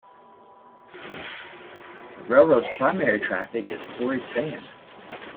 The railroad's primary traffic is quarried sand.